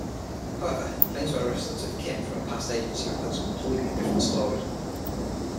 However, claims by representative Kim from her past agency reveals a completely different story.